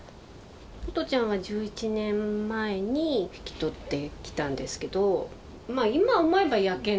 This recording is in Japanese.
ポトちゃんは１１年前に引き取って来たんですけど。